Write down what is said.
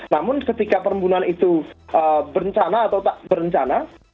namun ketika pembunuhan itu berencana atau tak berencana